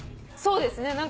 そうですね。